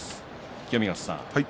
清見潟さん